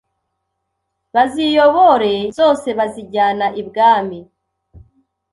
baziyobore zose bazijyana i bwami,